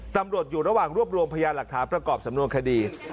ตำรวจอยู่ระหว่างรวบรวมพยานหลักฐานประกอบสำนวนคดี